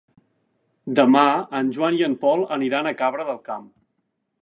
Demà en Joan i en Pol aniran a Cabra del Camp.